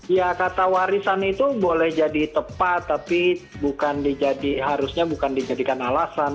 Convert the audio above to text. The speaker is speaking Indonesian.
ya kata warisan itu boleh jadi tepat tapi harusnya bukan dijadikan alasan